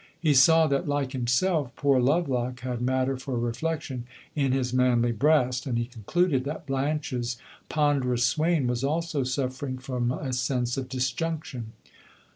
He saw that, like himself, poor Lovelock had matter for reflection in his manly breast, and he concluded that Blanche's ponderous swain was also suffering from a sense of disjunction.